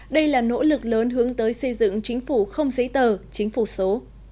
đây là nỗ lực lớn hướng tới xây dựng chính phủ không giấy tờ chính phủ số